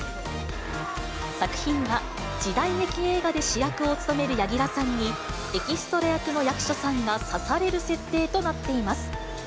作品は、時代劇映画で主役を務める柳楽さんに、エキストラ役の役所さんが刺される設定となっています。